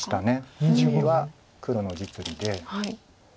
次は黒の実利で。